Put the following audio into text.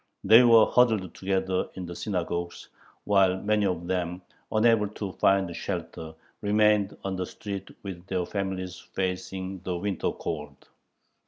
They were huddled together in the synagogues, while many of them, unable to find shelter, remained on the streets with their families facing the winter cold.